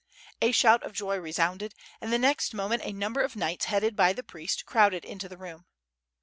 A shout of joy resounded, and the next moment a number of knights headed by the priest, crowded into the room.